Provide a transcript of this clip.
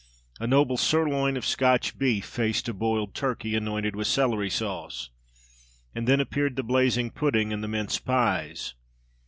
A noble sirloin of Scotch beef faced a boiled turkey anointed with celery sauce; and then appeared the blazing pudding, and the mince pies.